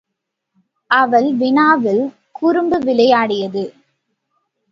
அவள் வினாவில் குறும்பு விளையாடியது!